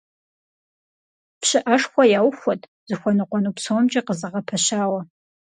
ПщыӀэшхуэ яухуэт, зыхуэныкъуэну псомкӀи къызэгъэпэщауэ,.